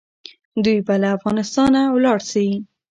دوی به له افغانستانه ولاړ سي.